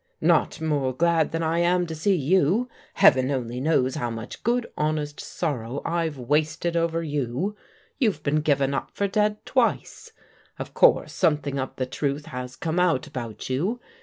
*' Not more glad than I am to see you. Heaven only knows how much good honest sorrow I've wasted over you. You've been given up for dead twice. Of course something of the truth has come out about you.